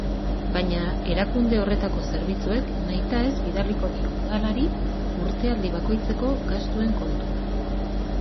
Baina erakunde horretako zerbitzuek nahitaez bidaliko dio Udalari urtealdi bakoitzeko gastuen kontua.